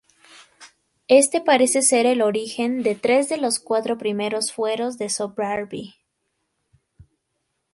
Este parece ser el origen de tres de los cuatro primeros fueros de Sobrarbe.